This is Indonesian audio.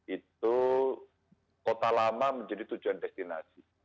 itu kota lama menjadi tujuan destinasi